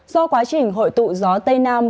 do quá trình hội tụ gió tây nam